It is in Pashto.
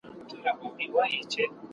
ستنې نه یوازې غوړ، بلکې عضلات هم کموي.